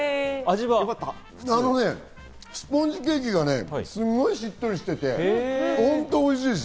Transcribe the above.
あのね、スポンジケーキがね、すごいしっとりしてて、ホントおいしいです。